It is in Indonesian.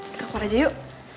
kita keluar aja yuk